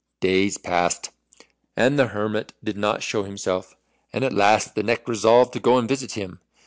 Days passed, and the hermit did not show himself, and at last the Neck resolved to go and visit him.